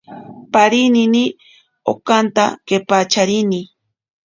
Parinini okanta kepacharini.